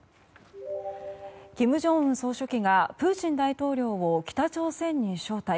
金正恩総書記がプーチン大統領を北朝鮮に招待。